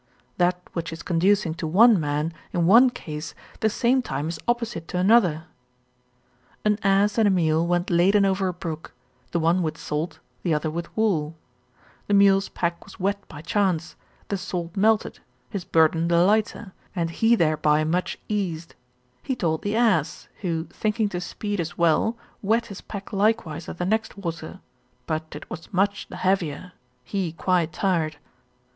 That which is conducing to one man, in one case, the same time is opposite to another. An ass and a mule went laden over a brook, the one with salt, the other with wool: the mule's pack was wet by chance, the salt melted, his burden the lighter, and he thereby much eased: he told the ass, who, thinking to speed as well, wet his pack likewise at the next water, but it was much the heavier, he quite tired.